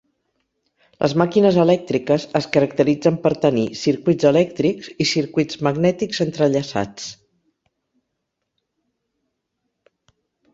Les màquines elèctriques es caracteritzen per tenir circuits elèctrics i circuits magnètics entrellaçats.